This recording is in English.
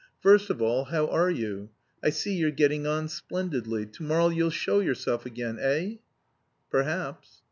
First of all, how are you? I see you're getting on splendidly. To morrow you'll show yourself again eh?" "Perhaps."